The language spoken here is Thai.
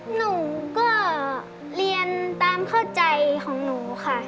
หนูก็เรียนตามเข้าใจของหนูค่ะ